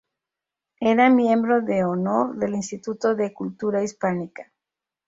Era miembro de honor del Instituto de Cultura Hispánica.